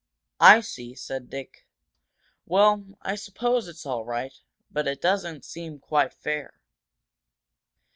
"I see," said Dick. "Well, I suppose it's all right, but it doesn't seem quite fair."